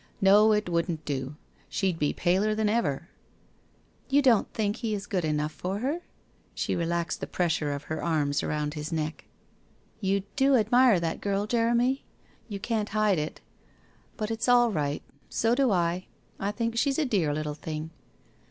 No, it wouldn't do, she'd be paler than ever.' 1 You don't think he is good enough for her? ' She re laxed the pressure of her arms round his neck. ' You do 218 WHITE ROSE OF WEARY LEAF admire that girl, Jeremy? You can't hide it. But it's all right. So do I. I think she's a dear little thing.'